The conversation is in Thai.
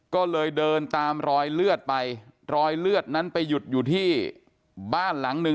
ก็เลยเดินตามรอยเลือดไปรอยเลือดนั้นไปหยุดอยู่ที่บ้านหลังหนึ่ง